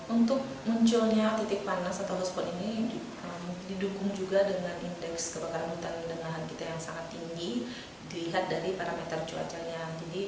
untuk munculnya titik panas atau respon ini didukung juga dengan indeks kebakaran hutan dan lahan kita yang sangat tinggi dilihat dari parameter cuacanya